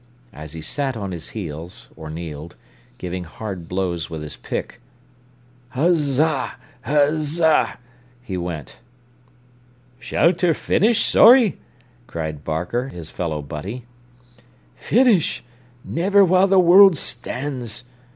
As he sat on his heels, or kneeled, giving hard blows with his pick, "Uszza—uszza!" he went. "Shall ter finish, Sorry?" cried Barker, his fellow butty. "Finish? Niver while the world stands!"